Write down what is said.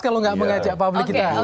kalau nggak mengajak publik kita